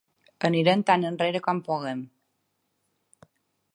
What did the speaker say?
Anirem tan enrere com puguem.